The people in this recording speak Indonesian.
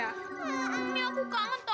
ya aku kangen tau nggak sih